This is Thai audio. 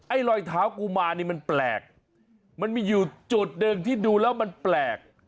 รอยเท้ากุมารนี่มันแปลกมันมีอยู่จุดหนึ่งที่ดูแล้วมันแปลก